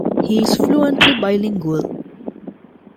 He is fluently bilingual.